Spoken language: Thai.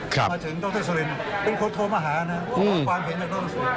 ครับมาถึงดรสุรินทร์เป็นคนโทรมาหานะมีความเห็นจากดรสุรินทร์